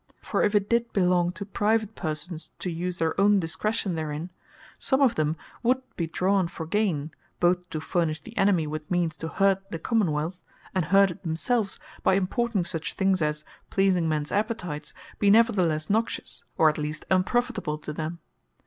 For if it did belong to private persons to use their own discretion therein, some of them would bee drawn for gaine, both to furnish the enemy with means to hurt the Common wealth, and hurt it themselves, by importing such things, as pleasing mens appetites, be neverthelesse noxious, or at least unprofitable to them.